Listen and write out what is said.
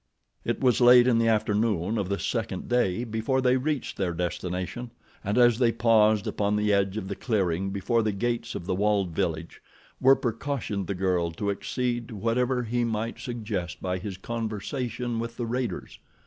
It was late in the afternoon of the second day before they reached their destination, and as they paused upon the edge of the clearing before the gates of the walled village, Werper cautioned the girl to accede to whatever he might suggest by his conversation with the raiders.